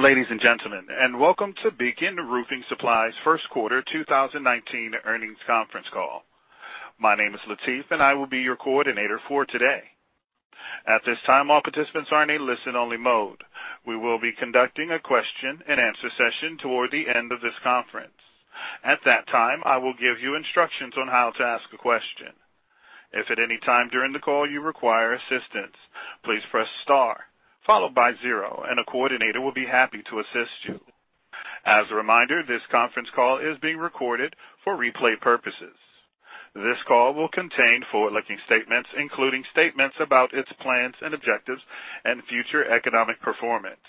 Good afternoon, ladies and gentlemen, and welcome to Beacon Roofing Supply's first quarter 2019 earnings conference call. My name is Latif, and I will be your coordinator for today. At this time, all participants are in a listen-only mode. We will be conducting a question and answer session toward the end of this conference. At that time, I will give you instructions on how to ask a question. If at any time during the call you require assistance, please press star followed by zero, and a coordinator will be happy to assist you. As a reminder, this conference call is being recorded for replay purposes. This call will contain forward-looking statements, including statements about its plans and objectives and future economic performance.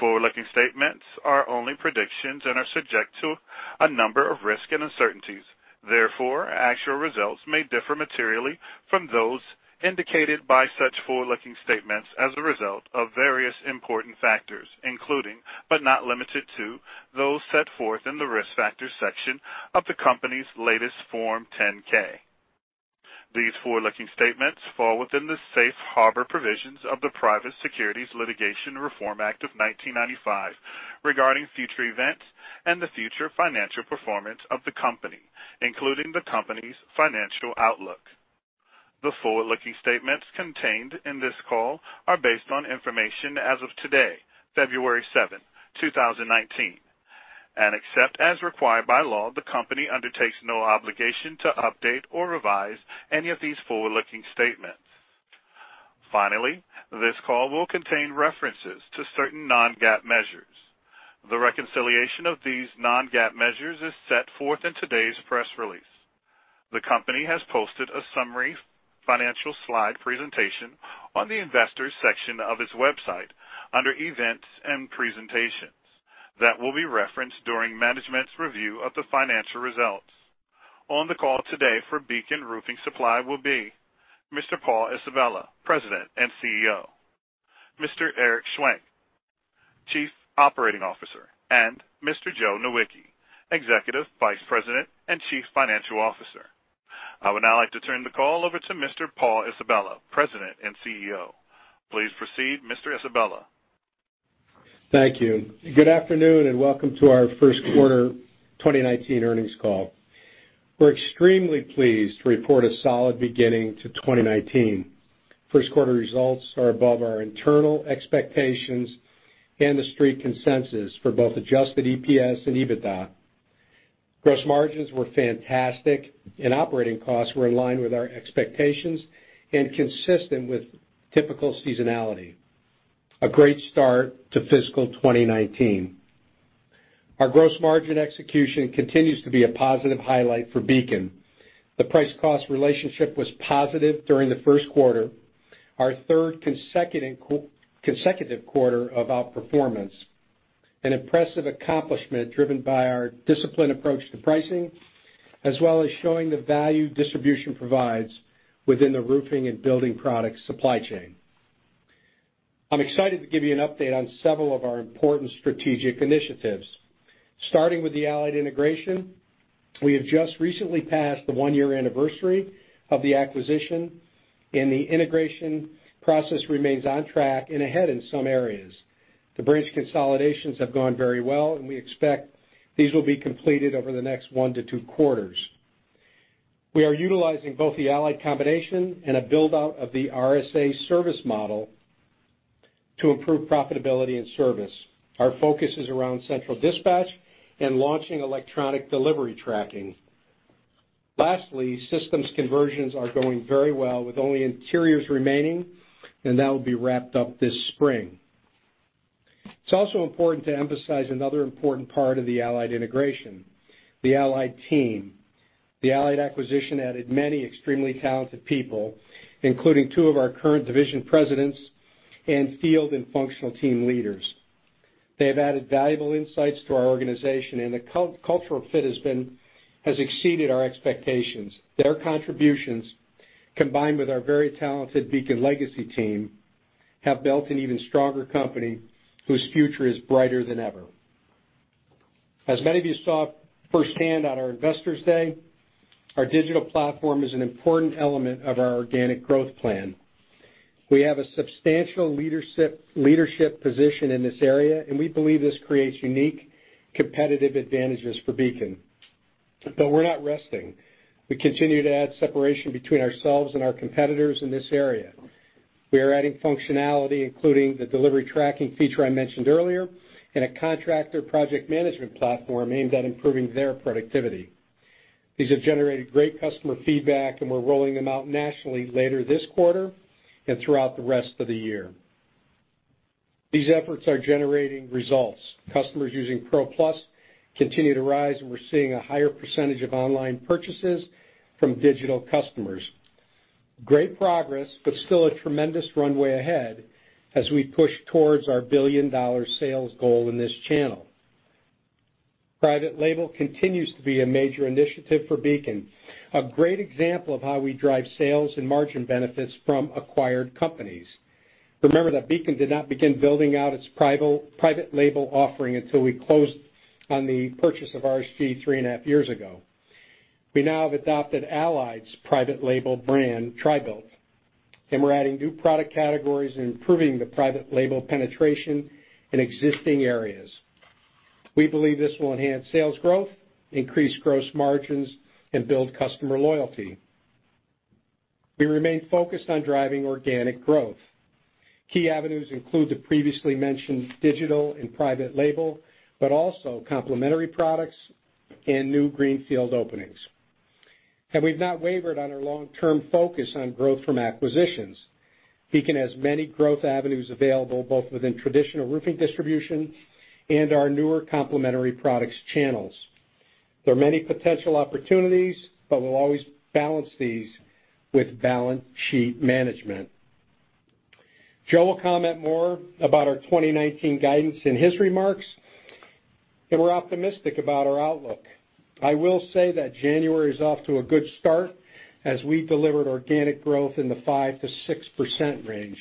Forward-looking statements are only predictions and are subject to a number of risks and uncertainties. Actual results may differ materially from those indicated by such forward-looking statements as a result of various important factors, including, but not limited to, those set forth in the Risk Factors section of the company's latest Form 10-K. These forward-looking statements fall within the safe harbor provisions of the Private Securities Litigation Reform Act of 1995 regarding future events and the future financial performance of the company, including the company's financial outlook. The forward-looking statements contained in this call are based on information as of today, February 7, 2019. Except as required by law, the company undertakes no obligation to update or revise any of these forward-looking statements. Finally, this call will contain references to certain non-GAAP measures. The reconciliation of these non-GAAP measures is set forth in today's press release. The company has posted a summary financial slide presentation on the Investors section of its website under Events and Presentations that will be referenced during management's review of the financial results. On the call today for Beacon Roofing Supply will be Mr. Paul Isabella, President and CEO, Mr. Eric Swank, Chief Operating Officer, and Mr. Joe Nowicki, Executive Vice President and Chief Financial Officer. I would now like to turn the call over to Mr. Paul Isabella, President and CEO. Please proceed, Mr. Isabella. Thank you. Good afternoon, and welcome to our first quarter 2019 earnings call. We're extremely pleased to report a solid beginning to 2019. First quarter results are above our internal expectations and the Street consensus for both adjusted EPS and EBITDA. Gross margins were fantastic and operating costs were in line with our expectations and consistent with typical seasonality. A great start to fiscal 2019. Our gross margin execution continues to be a positive highlight for Beacon. The price-cost relationship was positive during the first quarter, our third consecutive quarter of outperformance, an impressive accomplishment driven by our disciplined approach to pricing, as well as showing the value distribution provides within the roofing and building products supply chain. I'm excited to give you an update on several of our important strategic initiatives. Starting with the Allied integration, we have just recently passed the one-year anniversary of the acquisition, and the integration process remains on track and ahead in some areas. The branch consolidations have gone very well, and we expect these will be completed over the next one to two quarters. We are utilizing both the Allied combination and a build-out of the RSA service model to improve profitability and service. Our focus is around central dispatch and launching electronic delivery tracking. Lastly, systems conversions are going very well with only interiors remaining, and that will be wrapped up this spring. It's also important to emphasize another important part of the Allied integration, the Allied team. The Allied acquisition added many extremely talented people, including two of our current division presidents and field and functional team leaders. They have added valuable insights to our organization, the cultural fit has exceeded our expectations. Their contributions, combined with our very talented Beacon legacy team, have built an even stronger company whose future is brighter than ever. As many of you saw firsthand on our Investors Day, our digital platform is an important element of our organic growth plan. We have a substantial leadership position in this area, and we believe this creates unique competitive advantages for Beacon. We're not resting. We continue to add separation between ourselves and our competitors in this area. We are adding functionality, including the delivery tracking feature I mentioned earlier, and a contractor project management platform aimed at improving their productivity. These have generated great customer feedback, we're rolling them out nationally later this quarter and throughout the rest of the year. These efforts are generating results. Customers using Pro+ continue to rise, we're seeing a higher percentage of online purchases from digital customers. Great progress, but still a tremendous runway ahead as we push towards our billion-dollar sales goal in this channel. Private label continues to be a major initiative for Beacon, a great example of how we drive sales and margin benefits from acquired companies. Remember that Beacon did not begin building out its private label offering until we closed on the purchase of RSG three and a half years ago. We now have adopted Allied's private label brand, TRI-BUILT. We're adding new product categories and improving the private label penetration in existing areas. We believe this will enhance sales growth, increase gross margins, and build customer loyalty. We remain focused on driving organic growth. Key avenues include the previously mentioned digital and private label, also complementary products and new greenfield openings. We've not wavered on our long-term focus on growth from acquisitions. Beacon has many growth avenues available, both within traditional roofing distribution and our newer complementary products channels. There are many potential opportunities, we'll always balance these with balance sheet management. Joe will comment more about our 2019 guidance in his remarks, we're optimistic about our outlook. I will say that January is off to a good start as we delivered organic growth in the 5%-6% range.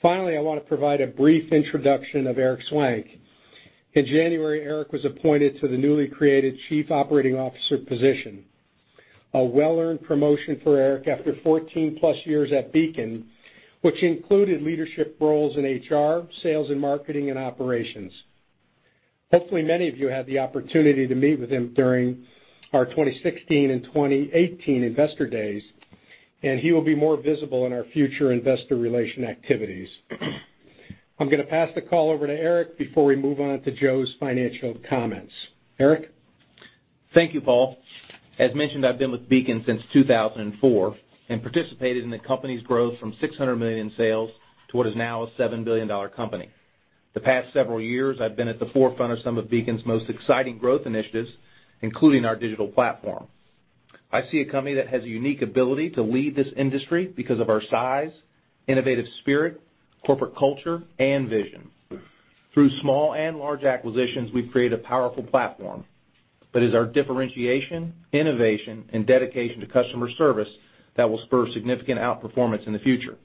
Finally, I want to provide a brief introduction of Eric Swank. In January, Eric was appointed to the newly created Chief Operating Officer position, a well-earned promotion for Eric after 14-plus years at Beacon, which included leadership roles in HR, sales and marketing, and operations. Hopefully, many of you had the opportunity to meet with him during our 2016 and 2018 investor days, and he will be more visible in our future investor relation activities. I'm going to pass the call over to Eric before we move on to Joe's financial comments. Eric? Thank you, Paul. As mentioned, I've been with Beacon since 2004 and participated in the company's growth from $600 million in sales to what is now a $7 billion company. The past several years, I've been at the forefront of some of Beacon's most exciting growth initiatives, including our digital platform. I see a company that has a unique ability to lead this industry because of our size, innovative spirit, corporate culture, and vision. Through small and large acquisitions, we've created a powerful platform that is our differentiation, innovation, and dedication to customer service that will spur significant outperformance in the future.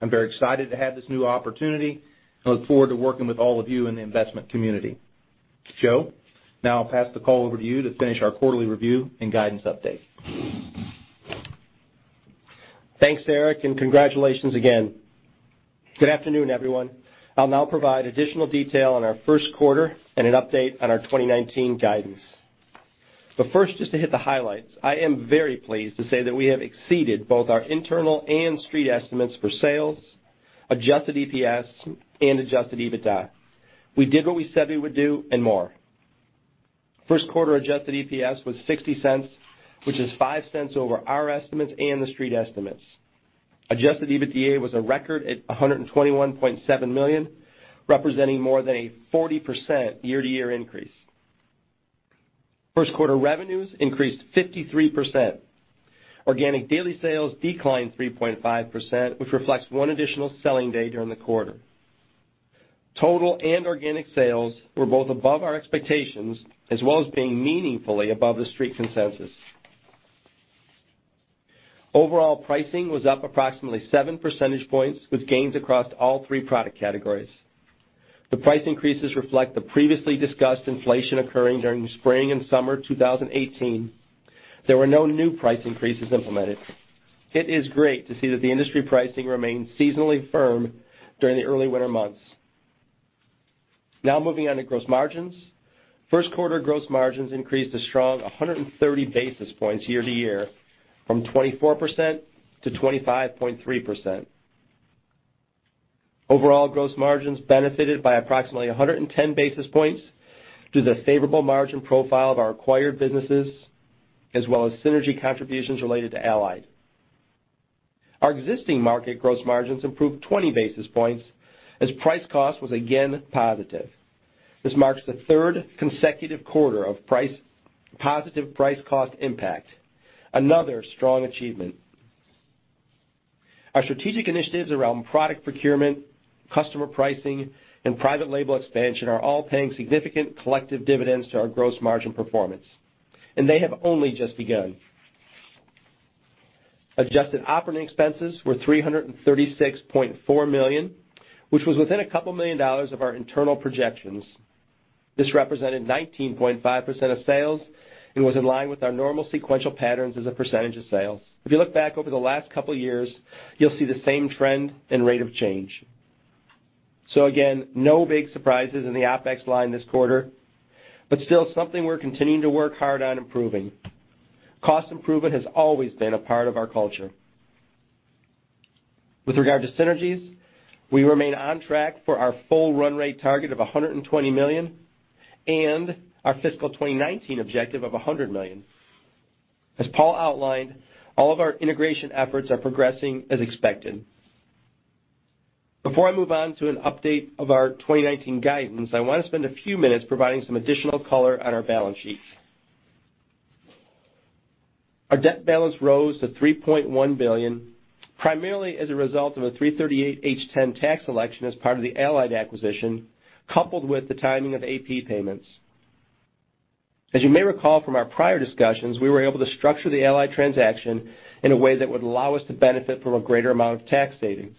I'm very excited to have this new opportunity. I look forward to working with all of you in the investment community. Joe, now I'll pass the call over to you to finish our quarterly review and guidance update. Thanks, Eric, and congratulations again. Good afternoon, everyone. I'll now provide additional detail on our first quarter and an update on our 2019 guidance. First, just to hit the highlights, I am very pleased to say that we have exceeded both our internal and street estimates for sales, adjusted EPS, and adjusted EBITDA. We did what we said we would do and more. First quarter adjusted EPS was $0.60, which is $0.05 over our estimates and the street estimates. Adjusted EBITDA was a record at $121.7 million, representing more than a 40% year-over-year increase. First quarter revenues increased 53%. Organic daily sales declined 3.5%, which reflects one additional selling day during the quarter. Total and organic sales were both above our expectations, as well as being meaningfully above the street consensus. Overall pricing was up approximately seven percentage points with gains across all three product categories. The price increases reflect the previously discussed inflation occurring during spring and summer 2018. There were no new price increases implemented. It is great to see that the industry pricing remains seasonally firm during the early winter months. Now moving on to gross margins. First quarter gross margins increased a strong 130 basis points year-over-year from 24%-25.3%. Overall gross margins benefited by approximately 110 basis points due to the favorable margin profile of our acquired businesses as well as synergy contributions related to Allied. Our existing market gross margins improved 20 basis points as price cost was again positive. This marks the third consecutive quarter of positive price cost impact, another strong achievement. Our strategic initiatives around product procurement, customer pricing, and private label expansion are all paying significant collective dividends to our gross margin performance, and they have only just begun. Adjusted operating expenses were $336.4 million, which was within a couple million dollars of our internal projections. This represented 19.5% of sales and was in line with our normal sequential patterns as a percentage of sales. If you look back over the last couple years, you'll see the same trend and rate of change. Again, no big surprises in the OPEX line this quarter, but still something we're continuing to work hard on improving. Cost improvement has always been a part of our culture. With regard to synergies, we remain on track for our full run rate target of $120 million and our fiscal 2019 objective of $100 million. As Paul outlined, all of our integration efforts are progressing as expected. Before I move on to an update of our 2019 guidance, I want to spend a few minutes providing some additional color on our balance sheet. Our debt balance rose to $3.1 billion, primarily as a result of a 338(h)(10) tax election as part of the Allied acquisition, coupled with the timing of AP payments. As you may recall from our prior discussions, we were able to structure the Allied transaction in a way that would allow us to benefit from a greater amount of tax savings.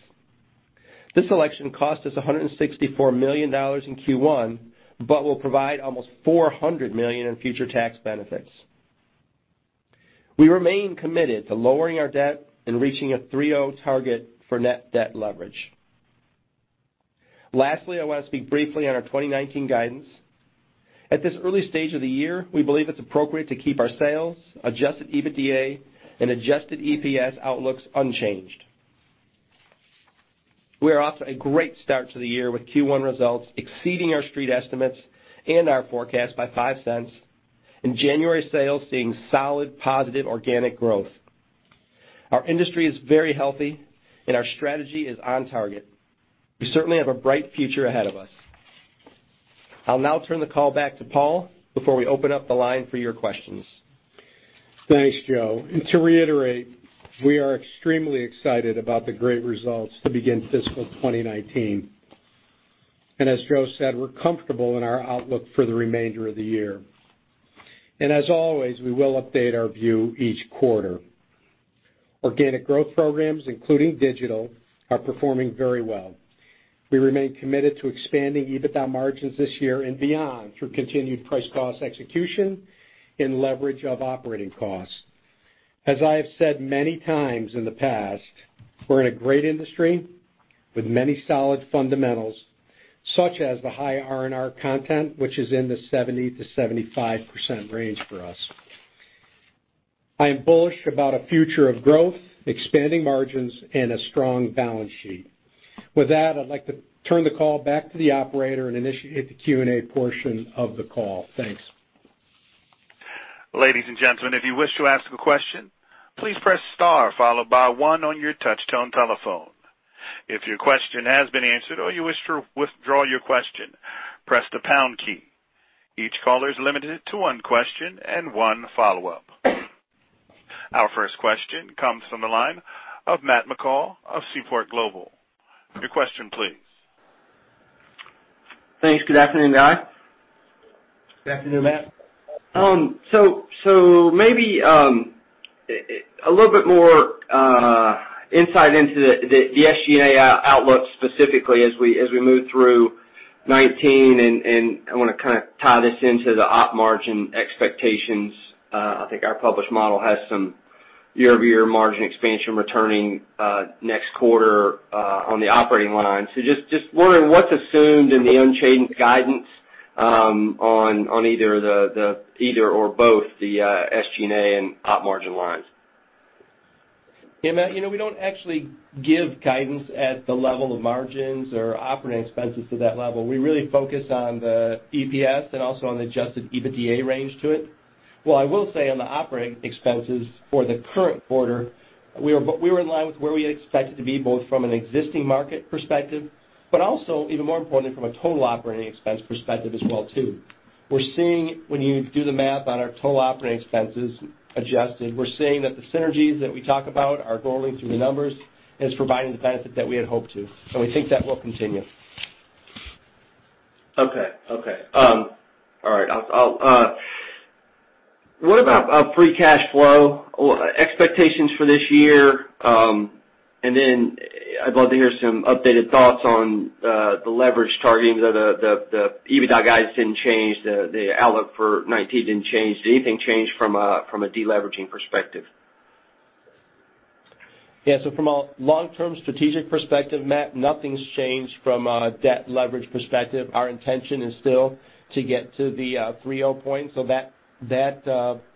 This election cost us $164 million in Q1, but will provide almost $400 million in future tax benefits. We remain committed to lowering our debt and reaching a 3.0 target for net debt leverage. Lastly, I want to speak briefly on our 2019 guidance. At this early stage of the year, we believe it's appropriate to keep our sales, adjusted EBITDA and adjusted EPS outlooks unchanged. We are off to a great start to the year with Q1 results exceeding our street estimates and our forecast by $0.05, and January sales seeing solid positive organic growth. Our industry is very healthy and our strategy is on target. We certainly have a bright future ahead of us. I'll now turn the call back to Paul before we open up the line for your questions. Thanks, Joe. To reiterate, we are extremely excited about the great results to begin fiscal 2019. As Joe said, we're comfortable in our outlook for the remainder of the year. As always, we will update our view each quarter. Organic growth programs, including digital, are performing very well. We remain committed to expanding EBITDA margins this year and beyond through continued price cost execution and leverage of operating costs. As I have said many times in the past, we're in a great industry with many solid fundamentals, such as the high R&R content, which is in the 70%-75% range for us. I am bullish about a future of growth, expanding margins and a strong balance sheet. With that, I'd like to turn the call back to the operator and initiate the Q&A portion of the call. Thanks. Ladies and gentlemen, if you wish to ask a question, please press star followed by one on your touch tone telephone. If your question has been answered or you wish to withdraw your question, press the pound key. Each caller is limited to one question and one follow-up. Our first question comes from the line of Matt McCall of Seaport Global. Your question please. Thanks. Good afternoon, guys. Good afternoon, Matt. Maybe a little bit more insight into the SG&A outlook specifically as we move through 2019, I want to tie this into the op margin expectations. I think our published model has some year-over-year margin expansion returning next quarter on the operating line. Just wondering what's assumed in the unchanged guidance on either or both the SG&A and op margin lines? Matt, we don't actually give guidance at the level of margins or operating expenses to that level. We really focus on the EPS and also on the adjusted EBITDA range to it. While I will say on the operating expenses for the current quarter, we were in line with where we expected to be both from an existing market perspective, but also even more importantly, from a total operating expense perspective as well, too. When you do the math on our total operating expenses adjusted, we're seeing that the synergies that we talk about are rolling through the numbers and it's providing the benefit that we had hoped to. We think that will continue. What about free cash flow expectations for this year? Then I'd love to hear some updated thoughts on the leverage targeting. The EBITDA guidance didn't change, the outlook for 2019 didn't change. Did anything change from a deleveraging perspective? From a long-term strategic perspective, Matt, nothing's changed from a debt leverage perspective. Our intention is still to get to the 3.0 point. That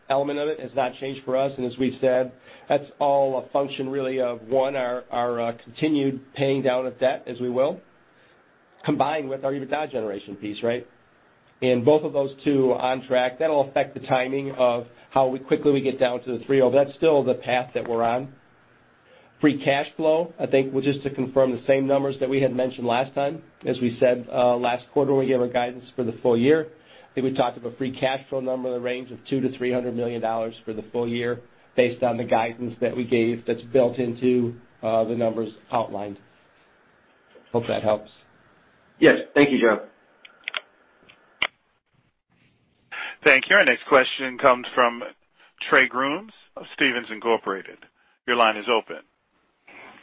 element of it has not changed for us. As we've said, that's all a function really of, one, our continued paying down of debt as we will, combined with our EBITDA generation piece, right? Both of those two are on track. That'll affect the timing of how quickly we get down to the 3.0. That's still the path that we're on. Free cash flow, I think just to confirm the same numbers that we had mentioned last time. As we said last quarter when we gave our guidance for the full year, I think we talked of a free cash flow number in the range of $200 million-$300 million for the full year based on the guidance that we gave that's built into the numbers outlined. Hope that helps. Yes. Thank you, Joe. Thank you. Our next question comes from Trey Grooms of Stephens Inc.. Your line is open.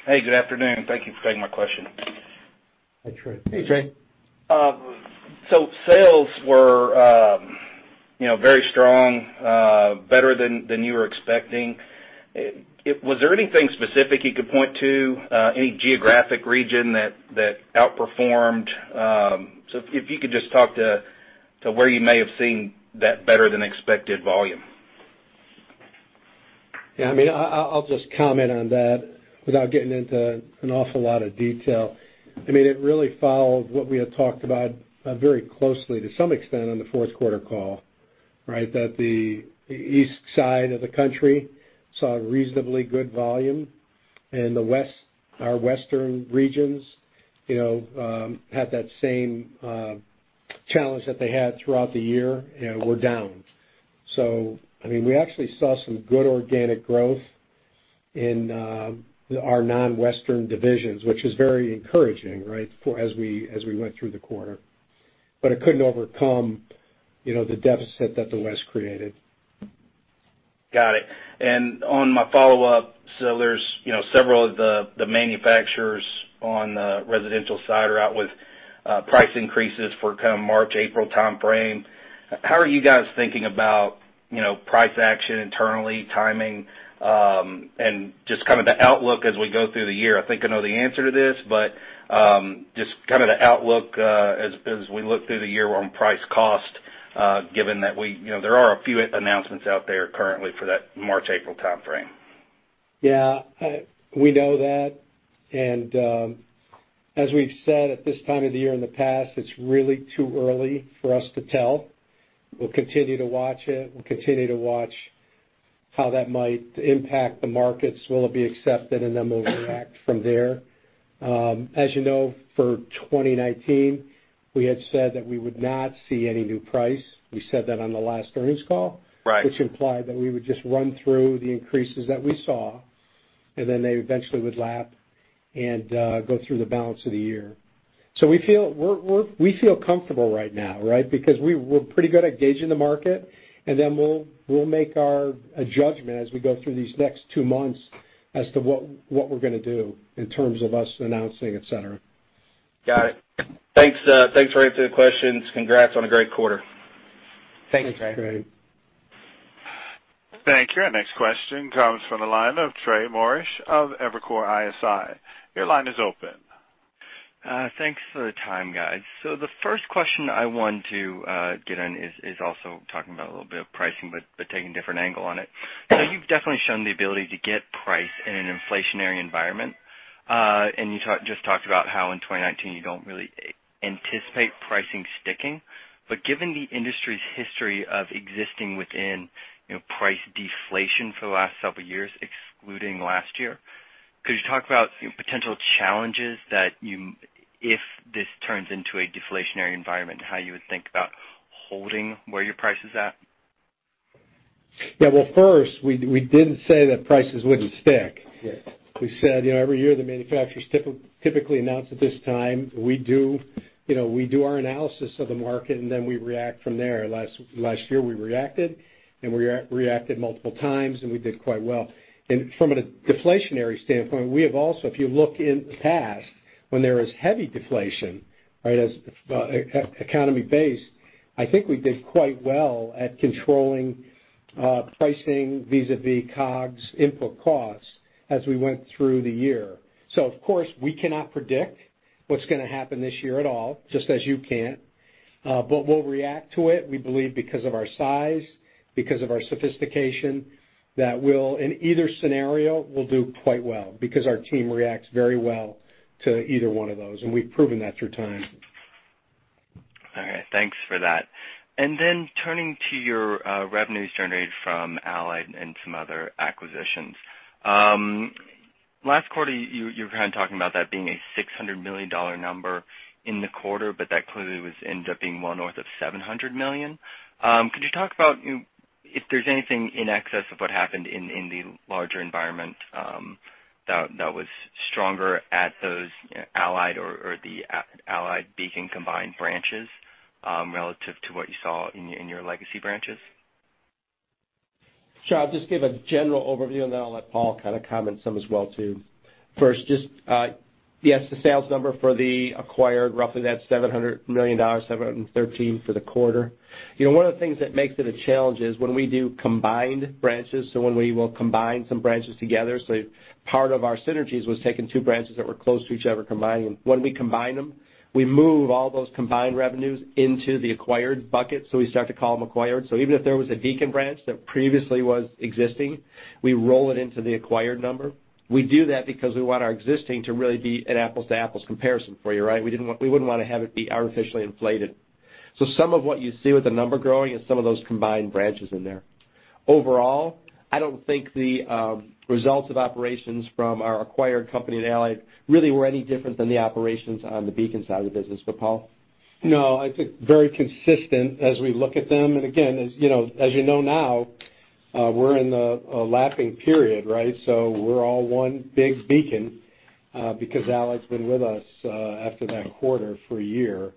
Hey, good afternoon. Thank you for taking my question. Hi, Trey. Hey, Trey. Sales were very strong, better than you were expecting. Was there anything specific you could point to? Any geographic region that outperformed? If you could just talk to where you may have seen that better than expected volume. Yeah, I'll just comment on that without getting into an awful lot of detail. It really followed what we had talked about very closely to some extent on the fourth quarter call, right? That the east side of the country saw reasonably good volume and our western regions had that same challenge that they had throughout the year, were down. We actually saw some good organic growth in our non-western divisions, which is very encouraging, right? As we went through the quarter. It couldn't overcome the deficit that the west created. Got it. On my follow-up, there's several of the manufacturers on the residential side are out with price increases for kind of March, April timeframe. How are you guys thinking about price action internally, timing, and just kind of the outlook as we go through the year? I think I know the answer to this, but just kind of the outlook as we look through the year on price cost, given that there are a few announcements out there currently for that March, April timeframe. Yeah. We know that, As we've said at this time of the year in the past, it's really too early for us to tell. We'll continue to watch it. We'll continue to watch how that might impact the markets. Will it be accepted? Then we'll react from there. As you know, for 2019, we had said that we would not see any new price. We said that on the last earnings call. Right. Which implied that we would just run through the increases that we saw, and then they eventually would lap and go through the balance of the year. We feel comfortable right now, right? Because we're pretty good at gauging the market, and then we'll make a judgment as we go through these next two months as to what we're going to do in terms of us announcing, et cetera. Got it. Thanks for answering the questions. Congrats on a great quarter. Thanks, Trey. Thanks, Ray. Thank you. Our next question comes from the line of Trey Morrish of Evercore ISI. Your line is open. Thanks for the time, guys. The first question I want to get in is also talking about a little bit of pricing, but taking a different angle on it. You've definitely shown the ability to get price in an inflationary environment. You just talked about how in 2019 you don't really anticipate pricing sticking. Given the industry's history of existing within price deflation for the last several years, excluding last year, could you talk about potential challenges that if this turns into a deflationary environment, how you would think about holding where your price is at? Yeah. Well, first, we didn't say that prices wouldn't stick. Yeah. We said every year the manufacturers typically announce at this time. Then we react from there. Last year, we reacted, and we reacted multiple times, and we did quite well. From a deflationary standpoint, we have also, if you look in the past when there is heavy deflation, right, as economy-based, I think we did quite well at controlling pricing vis-a-vis COGS input costs as we went through the year. Of course, we cannot predict what's going to happen this year at all, just as you can't. We'll react to it, we believe because of our size, because of our sophistication, that in either scenario, we'll do quite well because our team reacts very well to either one of those, and we've proven that through time. All right. Thanks for that. Then turning to your revenues generated from Allied and some other acquisitions. Last quarter, you were kind of talking about that being a $600 million number in the quarter, but that clearly ended up being well north of $700 million. Could you talk about if there's anything in excess of what happened in the larger environment that was stronger at those Allied or the Allied Beacon combined branches relative to what you saw in your legacy branches? Sure. I'll just give a general overview, then I'll let Paul kind of comment some as well, too. First, just, yes, the sales number for the acquired, roughly that $700 million, $713 for the quarter. One of the things that makes it a challenge is when we do combined branches, when we will combine some branches together. Part of our synergies was taking two branches that were close to each other, combining them. When we combine them, we move all those combined revenues into the acquired bucket, we start to call them acquired. Even if there was a Beacon branch that previously was existing, we roll it into the acquired number. We do that because we want our existing to really be an apples to apples comparison for you, right? We wouldn't want to have it be artificially inflated. Some of what you see with the number growing is some of those combined branches in there. Overall, I don't think the results of operations from our acquired company and Allied really were any different than the operations on the Beacon side of the business. Paul? No, I think very consistent as we look at them. Again, as you know now, we're in the lapping period, right? We're all one big Beacon, because Allied's been with us after that quarter for a year.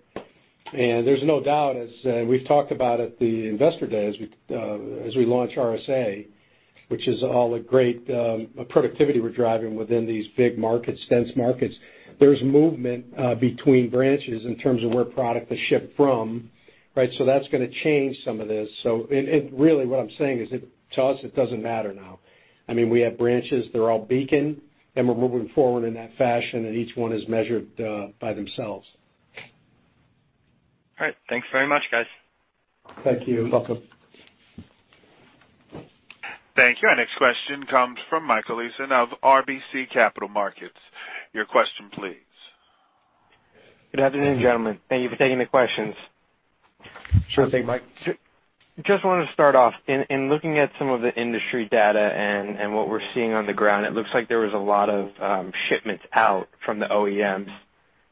There's no doubt, as we've talked about at the investor day, as we launch RSA, which is all the great productivity we're driving within these big markets, dense markets. There's movement between branches in terms of where product is shipped from, right? That's going to change some of this. Really what I'm saying is to us, it doesn't matter now. I mean, we have branches that are all Beacon, and we're moving forward in that fashion, and each one is measured by themselves. All right. Thanks very much, guys. Thank you. You're welcome. Thank you. Our next question comes from Michael Leeson of RBC Capital Markets. Your question, please. Good afternoon, gentlemen. Thank you for taking the questions. Sure thing, Mike. Just wanted to start off, in looking at some of the industry data and what we're seeing on the ground, it looks like there was a lot of shipments out from the OEMs.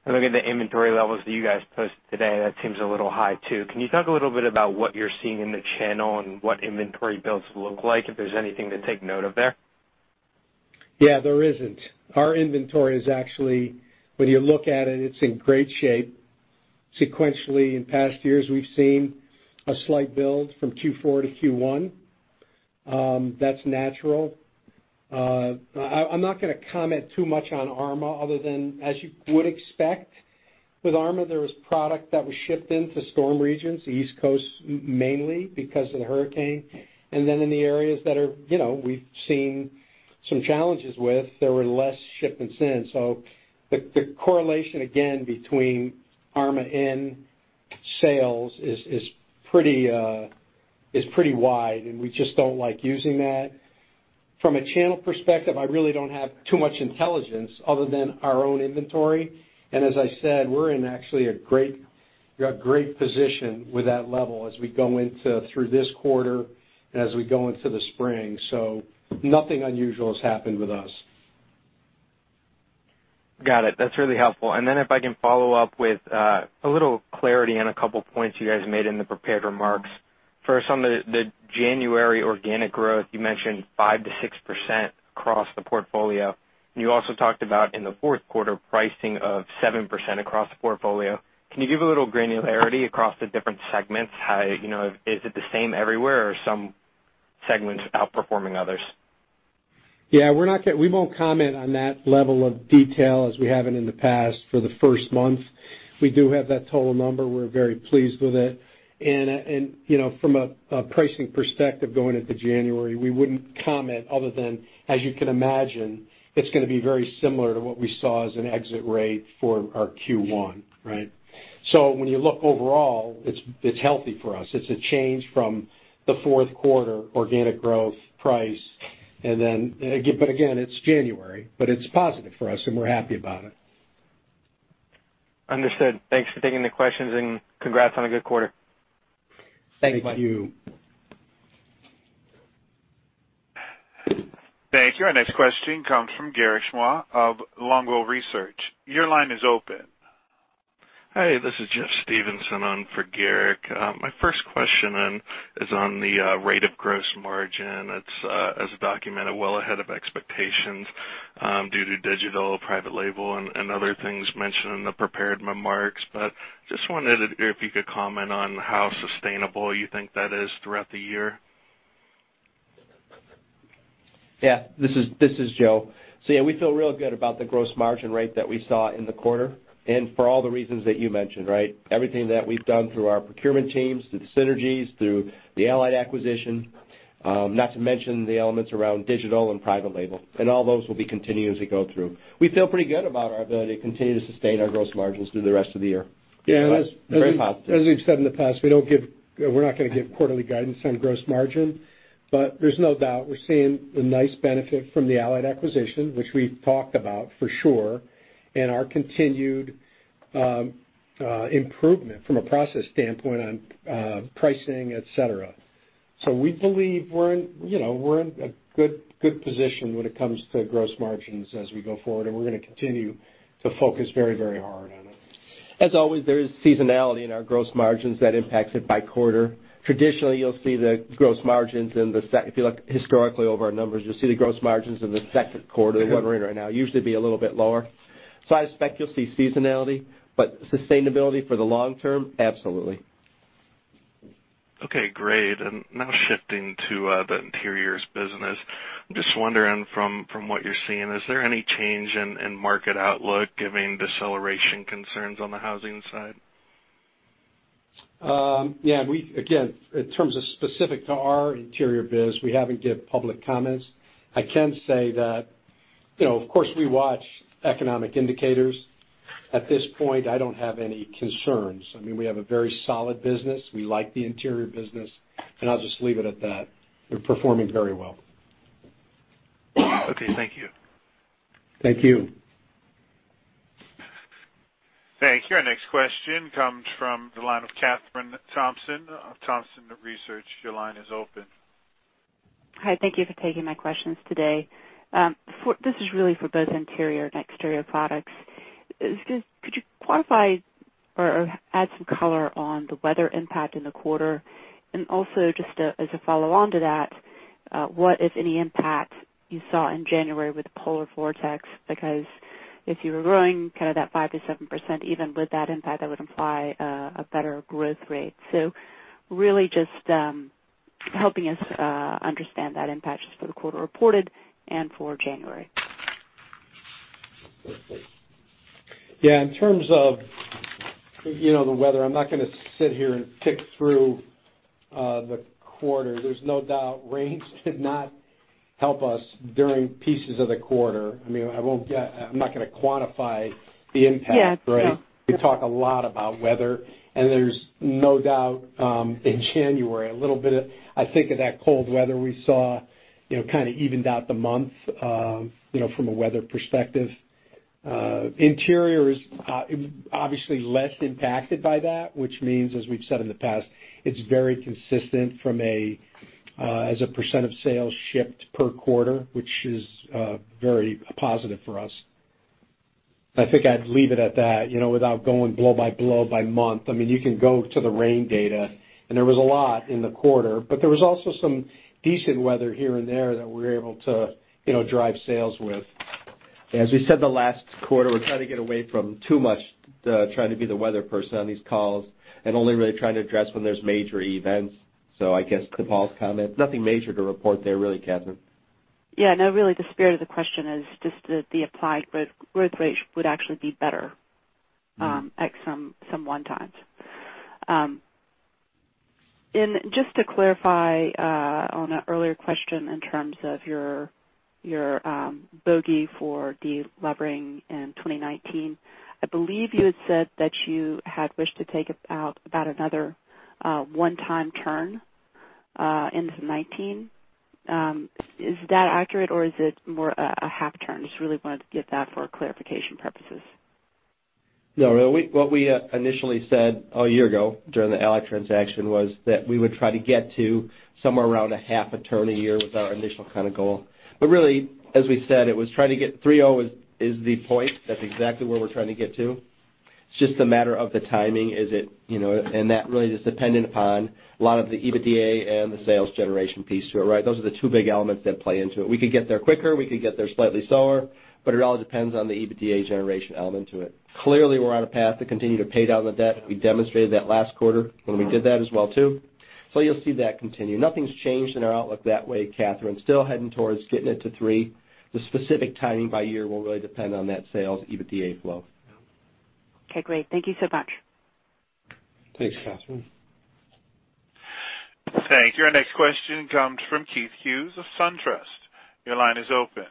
Looking at the inventory levels that you guys posted today, that seems a little high, too. Can you talk a little bit about what you're seeing in the channel and what inventory builds look like, if there's anything to take note of there? Yeah, there isn't. Our inventory is actually, when you look at it's in great shape. Sequentially, in past years, we've seen a slight build from Q4 to Q1. That's natural. I'm not going to comment too much on ARMA other than, as you would expect, with ARMA, there was product that was shipped into storm regions, the East Coast mainly because of the hurricane. In the areas that we've seen some challenges with, there were less shipments in. The correlation, again, between ARMA and sales is pretty wide, and we just don't like using that. From a channel perspective, I really don't have too much intelligence other than our own inventory. As I said, we're in actually a great position with that level as we go through this quarter and as we go into the spring. Nothing unusual has happened with us. Got it. That's really helpful. If I can follow up with a little clarity on a couple points you guys made in the prepared remarks. First, on the January organic growth, you mentioned 5%-6% across the portfolio. You also talked about in the fourth quarter, pricing of 7% across the portfolio. Can you give a little granularity across the different segments? Is it the same everywhere, or are some segments outperforming others? Yeah, we won't comment on that level of detail as we haven't in the past for the first month. We do have that total number. We're very pleased with it. From a pricing perspective, going into January, we wouldn't comment other than, as you can imagine, it's going to be very similar to what we saw as an exit rate for our Q1. Right? When you look overall, it's healthy for us. It's a change from the fourth quarter organic growth price. Again, it's January, but it's positive for us, and we're happy about it. Understood. Thanks for taking the questions. Congrats on a good quarter. Thank you. Thank you. Our next question comes from Garrick Hwa of Longbow Research. Your line is open. Hey, this is Jeffrey Stevenson on for Garrick. My first question then is on the rate of gross margin. It's, as documented, well ahead of expectations due to digital, private label, and other things mentioned in the prepared remarks. Just wondered if you could comment on how sustainable you think that is throughout the year. Yeah. This is Joe. Yeah, we feel real good about the gross margin rate that we saw in the quarter, and for all the reasons that you mentioned, right? Everything that we've done through our procurement teams, through the synergies, through the Allied acquisition, not to mention the elements around digital and private label. All those will be continuing as we go through. We feel pretty good about our ability to continue to sustain our gross margins through the rest of the year. Very positive. Yeah. As we've said in the past, we're not going to give quarterly guidance on gross margin. There's no doubt we're seeing a nice benefit from the Allied acquisition, which we've talked about, for sure, and our continued improvement from a process standpoint on pricing, et cetera. We believe we're in a good position when it comes to gross margins as we go forward, and we're going to continue to focus very hard on it. As always, there is seasonality in our gross margins that impacts it by quarter. Traditionally, you'll see the gross margins in the second quarter we're in right now usually be a little bit lower. I expect you'll see seasonality, sustainability for the long term, absolutely. Okay, great. Now shifting to the interiors business. I'm just wondering from what you're seeing, is there any change in market outlook giving deceleration concerns on the housing side? Yeah. Again, in terms of specific to our interior biz, we haven't given public comments. I can say that, of course, we watch economic indicators. At this point, I don't have any concerns. I mean, we have a very solid business. We like the interior business. I'll just leave it at that. We're performing very well. Okay. Thank you. Thank you. Thank you. Our next question comes from the line of Kathryn Thompson of Thompson Research. Your line is open. Hi. Thank you for taking my questions today. This is really for both interior and exterior products. Could you quantify or add some color on the weather impact in the quarter? Also, just as a follow-on to that, what, if any, impact you saw in January with the polar vortex? If you were growing kind of that 5%-7%, even with that impact, that would imply a better growth rate. Really just helping us understand that impact just for the quarter reported and for January. Yeah. In terms of the weather, I am not going to sit here and pick through the quarter. There is no doubt rain did not help us during pieces of the quarter. I mean, I am not going to quantify the impact, right? Yeah. No. We talk a lot about weather. There is no doubt, in January, a little bit of, I think of that cold weather we saw kind of evened out the month from a weather perspective. Interior is obviously less impacted by that, which means, as we have said in the past, it is very consistent as a % of sales shipped per quarter, which is very positive for us. I think I would leave it at that, without going blow by blow by month. You can go to the rain data. There was a lot in the quarter, but there was also some decent weather here and there that we were able to drive sales with. As we said the last quarter, we are trying to get away from too much trying to be the weather person on these calls and only really trying to address when there are major events. I guess to Paul's comment, nothing major to report there, really, Kathryn. Yeah, no, really the spirit of the question is just that the applied growth rate would actually be better at some one time. Just to clarify on an earlier question in terms of your bogey for delevering in 2019, I believe you had said that you had wished to take about another one-time turn into 2019. Is that accurate or is it more a half turn? Just really wanted to get that for clarification purposes. No, what we initially said a year ago during the Allied transaction was that we would try to get to somewhere around a half a turn a year was our initial kind of goal. Really, as we said, it was trying to get 3.0 is the point. That's exactly where we're trying to get to. It's just a matter of the timing, and that really is dependent upon a lot of the EBITDA and the sales generation piece to it, right? Those are the two big elements that play into it. We could get there quicker, we could get there slightly slower, but it all depends on the EBITDA generation element to it. Clearly, we're on a path to continue to pay down the debt. We demonstrated that last quarter when we did that as well, too. You'll see that continue. Nothing's changed in our outlook that way, Kathryn. Still heading towards getting it to 3.0. The specific timing by year will really depend on that sales EBITDA flow. Okay, great. Thank you so much. Thanks, Kathryn. Thank you. Our next question comes from Keith Hughes of SunTrust. Your line is open.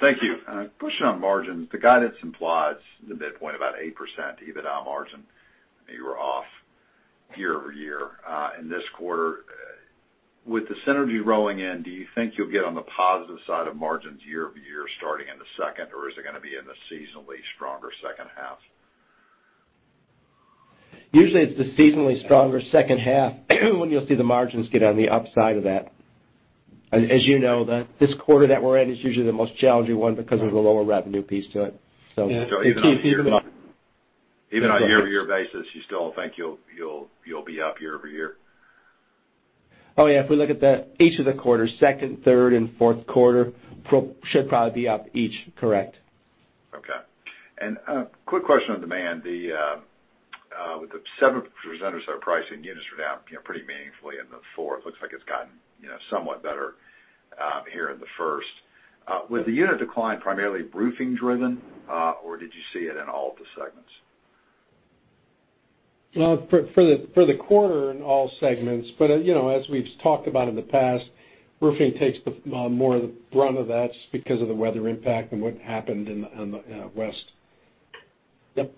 Thank you. Pushing on margins, the guidance implies the midpoint about 8% EBITDA margin. You were off year-over-year in this quarter. With the synergy rolling in, do you think you'll get on the positive side of margins year-over-year starting in the second, or is it going to be in the seasonally stronger second half? Usually it's the seasonally stronger second half when you'll see the margins get on the upside of that. As you know, this quarter that we're in is usually the most challenging one because of the lower revenue piece to it. Even on a year-over-year basis, you still think you'll be up year-over-year? Oh, yeah. If we look at each of the quarters, second, third, and fourth quarter should probably be up each. Correct. Okay. A quick question on demand. With the seven presenters that are pricing, units are down pretty meaningfully in the fourth. Looks like it's gotten somewhat better here in the first. Was the unit decline primarily roofing driven, or did you see it in all of the segments? For the quarter, in all segments. As we've talked about in the past, roofing takes more of the brunt of that because of the weather impact and what happened in the West. Yep.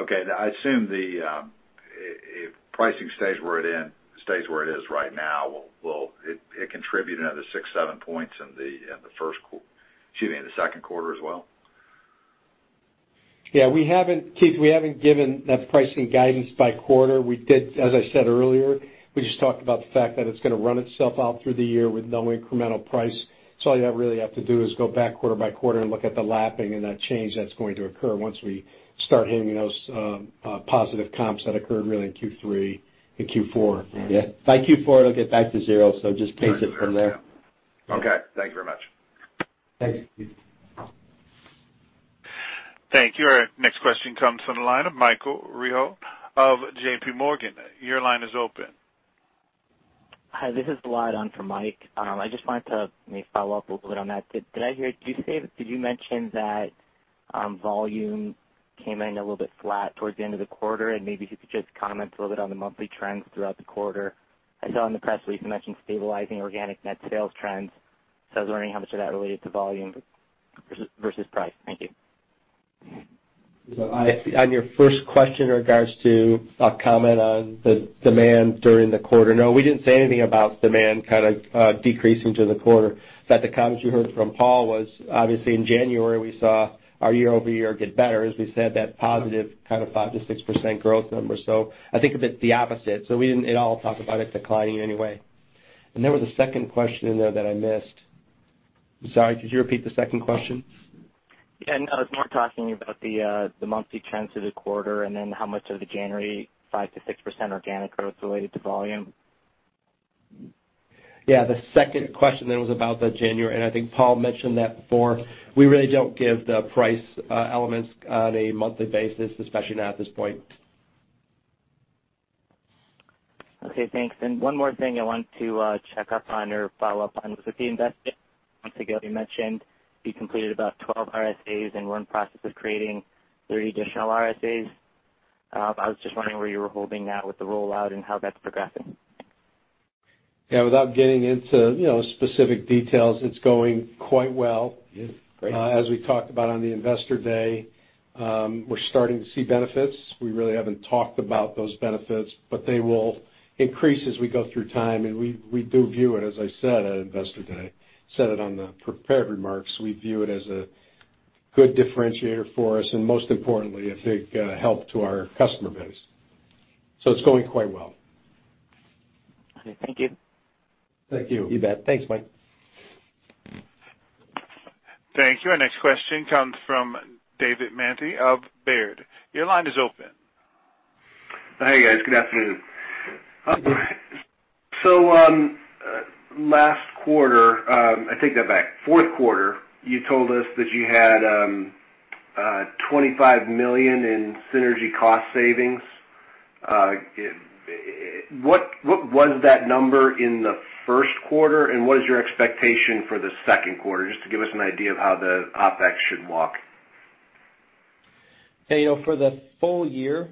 Okay. I assume if pricing stays where it is right now, will it contribute another six, seven points in the first, excuse me, in the second quarter as well? Yeah. Keith, we haven't given that pricing guidance by quarter. As I said earlier, we just talked about the fact that it's going to run itself out through the year with no incremental price. All you really have to do is go back quarter by quarter and look at the lapping and that change that's going to occur once we start hitting those positive comps that occurred really in Q3 and Q4. Yeah. By Q4, it'll get back to zero, so just take it from there. Okay. Thank you very much. Thanks, Keith. Thank you. Our next question comes from the line of Michael Rehaut of JPMorgan. Your line is open. Hi, this is Vlad on for Mike. I just wanted to maybe follow up a little bit on that. Did I hear you say, did you mention that volume came in a little bit flat towards the end of the quarter? Maybe if you could just comment a little bit on the monthly trends throughout the quarter. I saw in the press release you mentioned stabilizing organic net sales trends. I was wondering how much of that related to volume versus price. Thank you. On your first question in regards to a comment on the demand during the quarter, no, we didn't say anything about demand kind of decreasing through the quarter. The comments you heard from Paul was obviously in January, we saw our year-over-year get better, as we said, that positive kind of 5%-6% growth number. I think a bit the opposite. We didn't at all talk about it declining in any way. There was a second question in there that I missed. I'm sorry, could you repeat the second question? Yeah, no, I was more talking about the monthly trends through the quarter how much of the January 5%-6% organic growth related to volume. Yeah, the second question was about the January, and I think Paul mentioned that before. We really don't give the price elements on a monthly basis, especially not at this point. Okay, thanks. One more thing I wanted to check up on or follow up on was with the investment. Once again, you mentioned you completed about 12 RSAs and were in the process of creating three additional RSAs. I was just wondering where you were holding now with the rollout and how that's progressing. Yeah, without getting into specific details, it's going quite well. Yes. Great. As we talked about on the Investor Day, we're starting to see benefits. We really haven't talked about those benefits, but they will increase as we go through time, and we do view it, as I said at Investor Day, said it on the prepared remarks, we view it as a good differentiator for us, and most importantly, a big help to our customer base. It's going quite well. Okay, thank you. Thank you. You bet. Thanks, Mike. Thank you. Our next question comes from David Manthey of Baird. Your line is open. Hey, guys. Good afternoon. Last quarter, I take that back. Fourth quarter, you told us that you had $25 million in synergy cost savings. What was that number in the first quarter, and what is your expectation for the second quarter? Just to give us an idea of how the OpEx should walk. For the full year,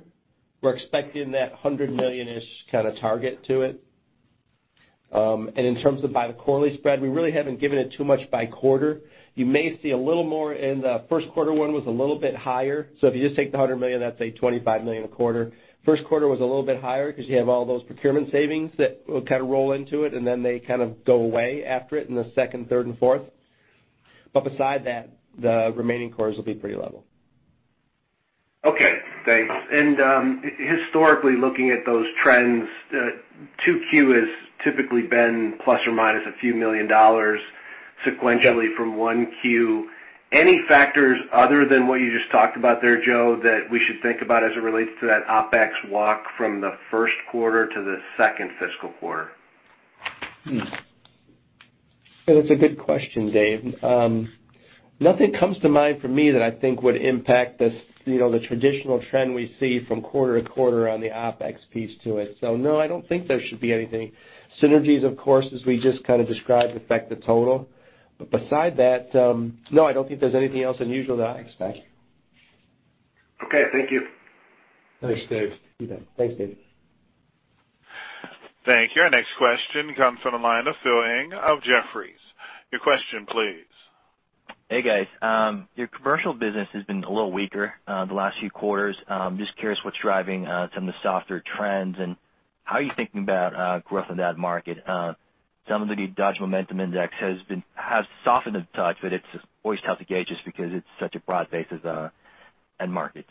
we're expecting that $100 million-ish kind of target to it. In terms of by the quarterly spread, we really haven't given it too much by quarter. You may see a little more in the first quarter. One was a little bit higher. If you just take the $100 million, that's a $25 million a quarter. First quarter was a little bit higher because you have all those procurement savings that will kind of roll into it, and then they kind of go away after it in the second, third, and fourth. Beside that, the remaining quarters will be pretty level. Okay, thanks. Historically, looking at those trends, 2Q has typically been plus or minus a few million dollars sequentially from 1Q. Any factors other than what you just talked about there, Joe, that we should think about as it relates to that OpEx walk from the first quarter to the second fiscal quarter? That's a good question, Dave. Nothing comes to mind for me that I think would impact the traditional trend we see from quarter to quarter on the OpEx piece to it. No, I don't think there should be anything. Synergies, of course, as we just kind of described, affect the total. Beside that, no, I don't think there's anything else unusual that I expect. Okay, thank you. Thanks, Dave. You bet. Thanks, Dave. Thank you. Our next question comes from the line of Phil Ng of Jefferies. Your question, please. Hey, guys. Your commercial business has been a little weaker the last few quarters. Just curious what's driving some of the softer trends, and how are you thinking about growth in that market? Some of the Dodge Momentum Index has softened a touch, but it's always tough to gauge just because it's such a broad base and markets.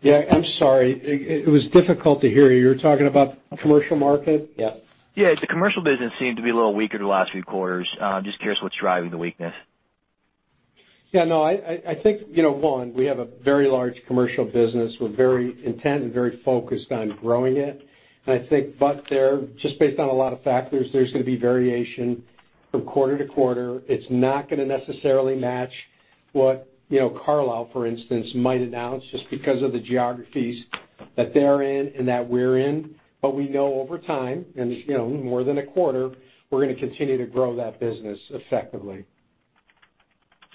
Yeah, I'm sorry. It was difficult to hear you. You were talking about the commercial market? Yeah. The commercial business seemed to be a little weaker the last few quarters. Just curious what's driving the weakness. Yeah, no, I think, one, we have a very large commercial business. We're very intent and very focused on growing it. I think, there, just based on a lot of factors, there's going to be variation from quarter to quarter. It's not going to necessarily match what Carlisle, for instance, might announce just because of the geographies that they're in and that we're in. We know over time, and more than a quarter, we're going to continue to grow that business effectively.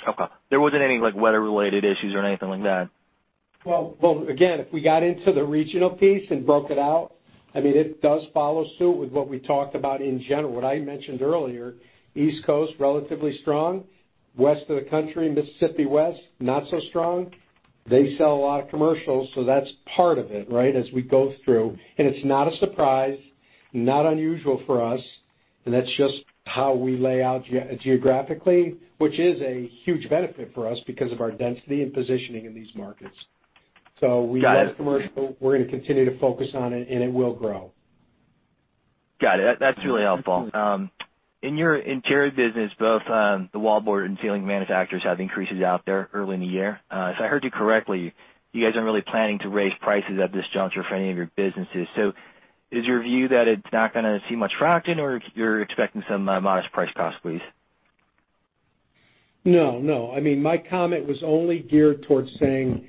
Okay. There wasn't any weather-related issues or anything like that? Well, again, if we got into the regional piece and broke it out, it does follow suit with what we talked about in general. What I mentioned earlier, East Coast, relatively strong, west of the country, Mississippi, west, not so strong. They sell a lot of commercial, so that's part of it, right? As we go through. It's not a surprise, not unusual for us, and that's just how we lay out geographically, which is a huge benefit for us because of our density and positioning in these markets. Got it. We love commercial. We're going to continue to focus on it, and it will grow. Got it. That's really helpful. In your interior business, both the wallboard and ceiling manufacturers have increases out there early in the year. If I heard you correctly, you guys aren't really planning to raise prices at this juncture for any of your businesses. Is your view that it's not going to see much traction, or you're expecting some modest price pass, please? No. My comment was only geared towards saying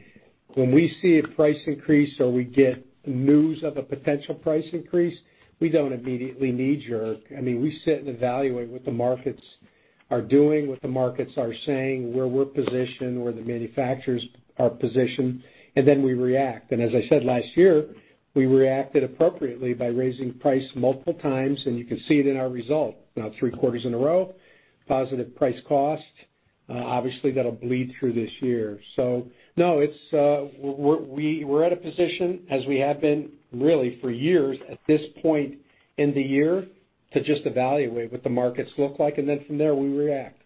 when we see a price increase or we get news of a potential price increase, we don't immediately knee-jerk. We sit and evaluate what the markets are doing, what the markets are saying, where we're positioned, where the manufacturers are positioned, then we react. As I said, last year, we reacted appropriately by raising price multiple times, and you can see it in our result. Now three quarters in a row, positive price cost. Obviously, that'll bleed through this year. No, we're at a position, as we have been really for years, at this point in the year, to just evaluate what the markets look like, then from there, we react.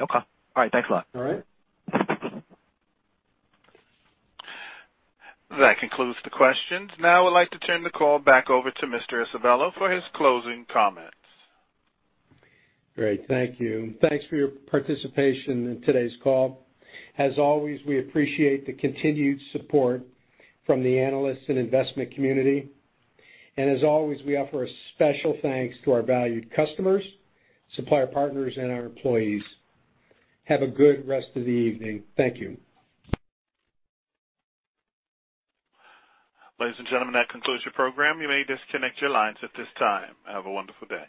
Okay. All right. Thanks a lot. All right. That concludes the questions. I'd like to turn the call back over to Mr. Isabella for his closing comments. Great. Thank you. Thanks for your participation in today's call. As always, we appreciate the continued support from the analysts and investment community. As always, we offer a special thanks to our valued customers, supplier partners, and our employees. Have a good rest of the evening. Thank you. Ladies and gentlemen, that concludes your program. You may disconnect your lines at this time. Have a wonderful day.